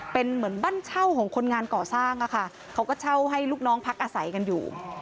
เป็นเหมือนบ้านเช่าของคนงานก่อสร้างอะค่ะเขาก็เช่าให้ลูกน้องพักอาศัยกันอยู่